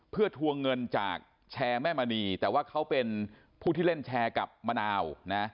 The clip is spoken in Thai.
เพื่อทวงเงินจากแชร์แม่มณีแต่ว่าเขาเป็นผู้ที่เล่นแชร์กับมะนาวนะ